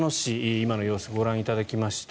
今の様子をご覧いただきました。